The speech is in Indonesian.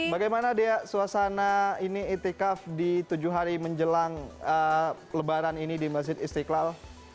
bagaimana dea suasana ini itikaf di tujuh hari menjelang lebaran ini di masjid istiqlal